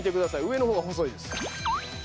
上の方が細いです。